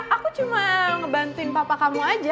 aku cuma ngebantuin papa kamu aja